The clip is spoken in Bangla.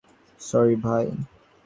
সরি, ভাই।